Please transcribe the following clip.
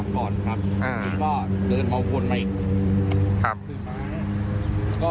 ก็เหลือก่อนมาอีก